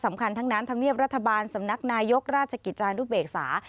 สำคัญทั้งนั้นธรรมเนียบรัฐบาลสำนักนายกราชกิจจานุเบกษา